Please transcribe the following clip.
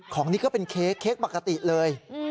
ของนี้ก็เป็นเค้กเค้กปกติเลย